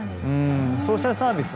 ソーシャルサービス